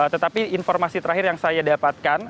tetapi informasi terakhir yang saya dapatkan